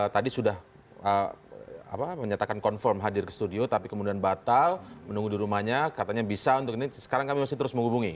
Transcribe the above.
tadi sudah menyatakan confirm hadir ke studio tapi kemudian batal menunggu di rumahnya katanya bisa untuk ini sekarang kami masih terus menghubungi